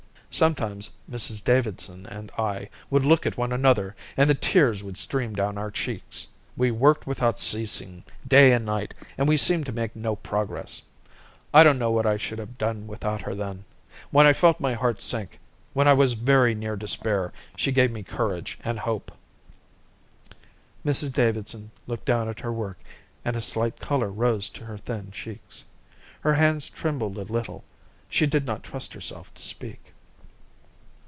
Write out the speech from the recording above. "Sometimes Mrs Davidson and I would look at one another and the tears would stream down our cheeks. We worked without ceasing, day and night, and we seemed to make no progress. I don't know what I should have done without her then. When I felt my heart sink, when I was very near despair, she gave me courage and hope." Mrs Davidson looked down at her work, and a slight colour rose to her thin cheeks. Her hands trembled a little. She did not trust herself to speak.